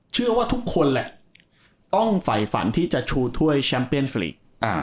เชื่อว่าทุกคนแหละต้องฝ่ายฝันที่จะชูถ้วยแชมป์เปียนฟลีก